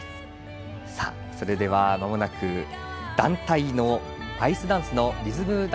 それではまもなく団体のアイスダンスのリズム